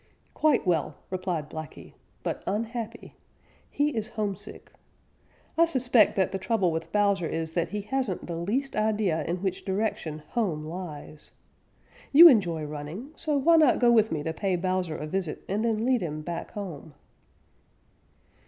"Quite well," replied Blacky, "but unhappy. He is homesick. I suspect that the trouble with Bowser is that he hasn't the least idea in which direction home lies. You enjoy running, so why not go with me to pay Bowser a visit and then lead him back home?"